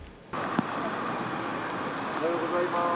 おはようございます。